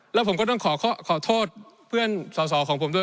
แล้วผมก็ต้องขอโทษเพื่อนสอสอของผมด้วย